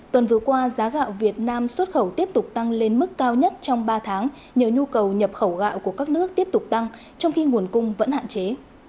tuần vừa qua giá gạo việt nam xuất khẩu tiếp tục tăng lên mức cao nhất trong ba tháng nhờ nhu cầu nhập khẩu gạo của các nước tiếp tục tăng trong khi nguồn cung vẫn hạn chế